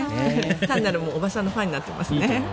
単なるおばさんのファンになってますね。